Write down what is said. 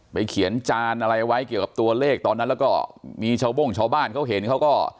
เขียนจานอะไรไว้เกี่ยวกับตัวเลขตอนนั้นแล้วก็มีชาวโบ้งชาวบ้านเขาเห็นเขาก็